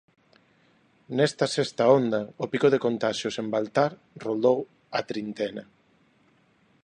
Nesta sexta onda, o pico de contaxios en Baltar roldou a trintena.